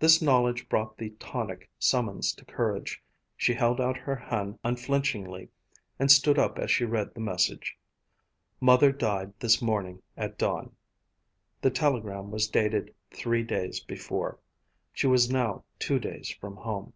This knowledge brought the tonic summons to courage. She held out her hand unflinchingly, and stood up as she read the message, "Mother died this morning at dawn." The telegram was dated three days before. She was now two days from home.